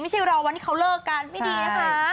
ไม่ใช่เราวันที่เขาเลิกกันไม่ดีนะคะ